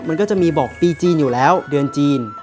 มันก็จะมีบอกปีจีนอยู่แล้วเดือนจีน